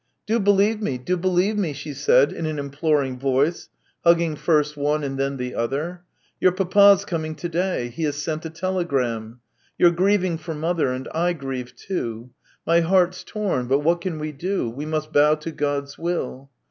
" Do believe me, do believe me," she said in an imploring voice, hugging first one and then the other. "Your papa's coming to day; he has sent a telegram. You're grieving for mother, and I grieve too. My heart's torn, but what can we do ? We must bow to God's will